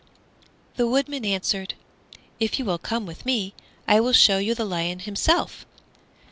The Woodman answered, "If you will come with me, I will show you the lion himself."